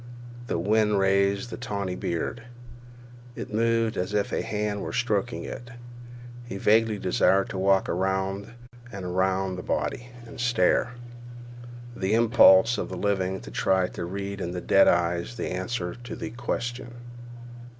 The wind raised the tawny beard. It moved as if a hand were stroking it. He vaguely desired to walk around and around the body and stare; the impulse of the living to try to read in dead eyes the answer to the Question.